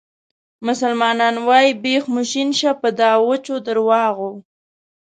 مسلمانان وایي بیخ مو شین شه په دا وچو درواغو.